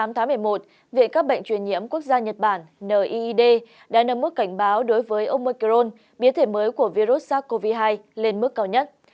trong bài phát biểu hôm hai mươi tám tháng một mươi một viện các bệnh truyền nhiễm quốc gia nhật bản niied đã nâng mức cảnh báo đối với omicron biến thể mới của virus sars cov hai lên mức cao nhất